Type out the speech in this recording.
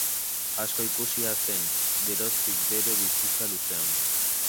Asko ikusia zen, geroztik, bere bizitza luzean.